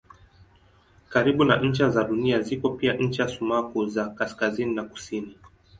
Karibu na ncha za Dunia ziko pia ncha sumaku za kaskazini na kusini.